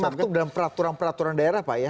itu termaktub dalam peraturan peraturan daerah pak ya